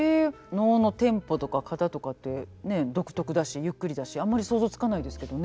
能のテンポとか型とかってねえ独特だしゆっくりだしあんまり想像つかないですけどね。